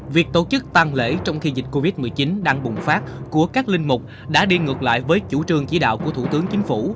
việc tổ chức tăng lễ trong khi dịch covid một mươi chín đang bùng phát của các linh mục đã đi ngược lại với chủ trương chỉ đạo của thủ tướng chính phủ